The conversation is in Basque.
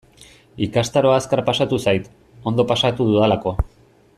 Ikastaroa azkar pasatu zait, ondo pasatu dudalako.